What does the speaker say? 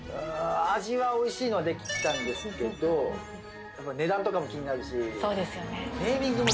味は美味しいのは出来たんですけどやっぱり値段とかも気になるしそうですよね